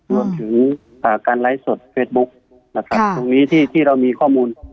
เลยถึงอ่าการไลฟ์สดเฟซบุ๊กค่ะครับมีที่ที่เรามีข้อมูล